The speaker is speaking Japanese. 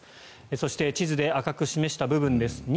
そして地図で赤く示した部分です。